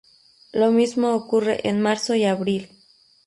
Lo mismo ocurre en marzo y abril.